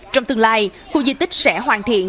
trong tương lai khu di tích sẽ hoàn thiện